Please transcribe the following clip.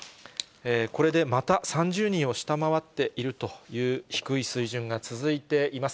これでまた３０人を下回っているという低い水準が続いています。